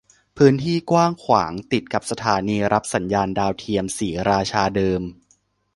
พื้นที่กว้างขวางติดกับสถานีรับสัญญาณดาวเทียมศรีราชาเดิม